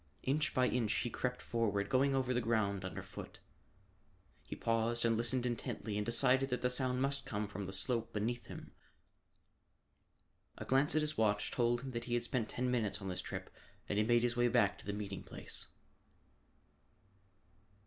Inch by inch he crept forward, going over the ground under foot. He paused and listened intently and decided that the sound must come from the slope beneath him. A glance at his watch told him that he had spent ten minutes on this trip and he made his way back to the meeting place.